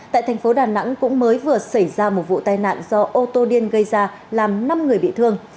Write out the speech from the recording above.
tại thành phố đà nẵng cũng mới vừa xảy ra một vụ tai nạn do ô tô điên gây ra làm năm người bị thương